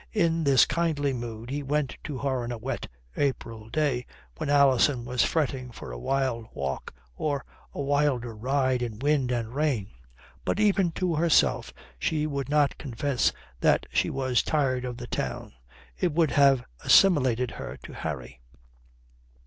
In this kindly mood he went to her on a wet April day when Alison was fretting for a wild walk or a wilder ride in wind and rain. But even to herself she would not confess that she was tired of the town. It would have assimilated her to Harry.